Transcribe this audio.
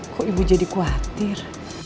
kok ibu jadi khawatir